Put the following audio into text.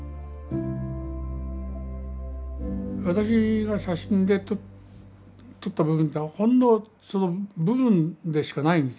私が写真で撮った部分というのはほんのその部分でしかないんですよね。